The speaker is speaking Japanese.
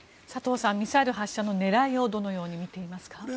佐藤さん、ミサイル発射の狙いをどのようにみていますか？